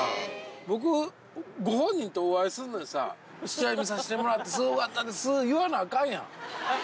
僕、ご本人とお会いするのにさ、試合見させてもらって、すごかったですって言わなあかんやん。